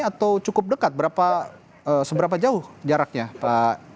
atau cukup dekat seberapa jauh jaraknya pak